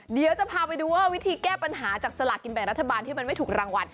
เดี๋ยวจะพาไปดูว่าวิธีแก้ปัญหาจากสลากกินแบ่งรัฐบาลที่มันไม่ถูกรางวัล